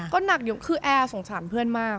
ก็หนักดีกว่าคือแอสงสารเพื่อนมาก